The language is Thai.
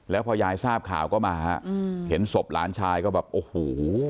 แล้วพอยายทราบข่าวก็มาฮะเห็นศพหลานชายก็แบบโอ้โห